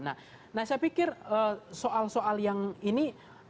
nah saya pikir soal soal yang ini